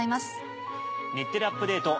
『日テレアップＤａｔｅ！』